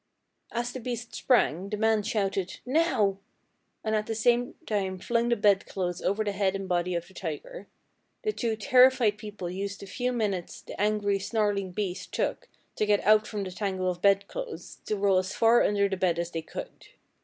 "As the beast sprang the man shouted, 'Now!' and at the same time flung the bedclothes over the head and body of the tiger. The two terrified people used the few minutes the angry, snarling beast took to get out from the tangle of bedclothes to roll as far under the bed as they could.